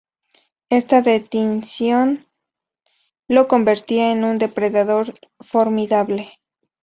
Esta dentición lo convertía en un depredador formidable.